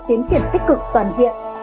tiến triển tích cực toàn diện